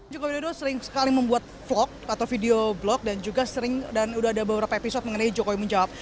jokowi dodo sering sekali membuat vlog atau video blog dan juga sering dan sudah ada beberapa episode mengenai jokowi menjawab